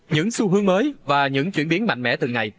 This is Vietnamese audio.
những xu hướng mới và những chuyển biến mạnh mẽ từng ngày